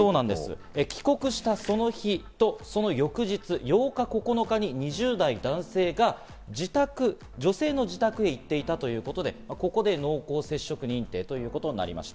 帰国したその人、その翌日、８日、９日に２０代男性が女性の自宅へ行っていたということで、ここで濃厚接触認定ということになりました。